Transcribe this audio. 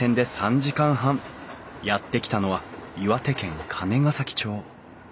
やって来たのは岩手県金ケ崎町。